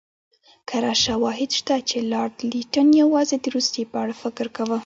کره شواهد شته چې لارډ لیټن یوازې د روسیې په اړه فکر کاوه.